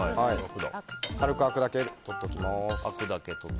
軽くあくだけ取っておきます。